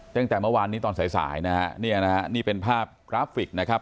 ตั้งแต่เมื่อวานนี้ตอนสายสายนะฮะเนี่ยนะฮะนี่เป็นภาพกราฟิกนะครับ